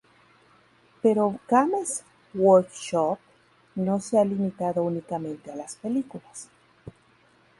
Pero Games Workshop no se ha limitado únicamente a las películas.